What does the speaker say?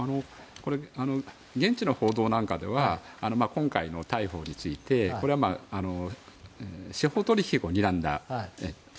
現地の報道なんかでは今回の逮捕についてこれは司法取引をにらんだと。